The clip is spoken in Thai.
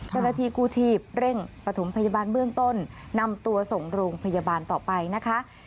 จรฐีกูชีพเร่งประถุมพยาบาลเบื้องต้นนำตัวส่งโรงพยาบาลต่อไปนะคะ